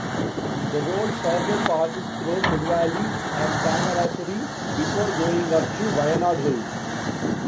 The road further passes through Koduvally and Thamarassery before going up to Wayanad hills.